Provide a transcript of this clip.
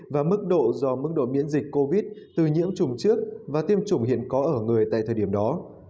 và mức độ do mức độ miễn dịch covid từ nhiễm trùng trước và tiêm chủng hiện có ở người tại thời điểm đó